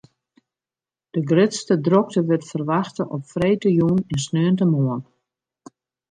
De grutste drokte wurdt ferwachte op freedtejûn en sneontemoarn.